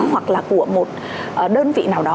hoặc là của một đơn vị nào đó